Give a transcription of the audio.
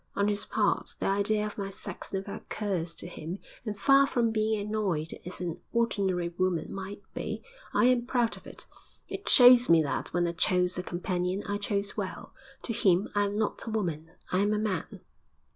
On his part, the idea of my sex never occurs to him, and far from being annoyed as an ordinary woman might be, I am proud of it. It shows me that, when I chose a companion, I chose well. To him I am not a woman; I am a man.